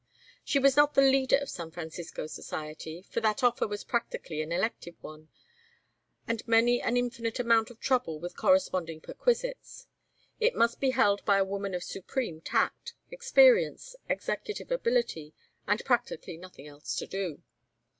She was not the leader of San Francisco society, for that office was practically an elective one, and meant an infinite amount of trouble with corresponding perquisites; it must be held by a woman of supreme tact, experience, executive ability, and practically nothing else to do.